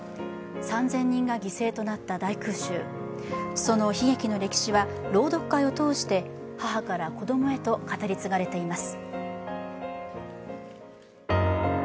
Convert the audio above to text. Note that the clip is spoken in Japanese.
３０００人が犠牲となった大空襲その悲劇の歴史は朗読会を通して母から子供へと語り継がれています。